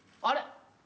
あれ？